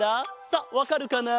さあわかるかな？